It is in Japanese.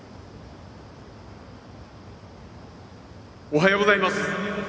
おはようございます。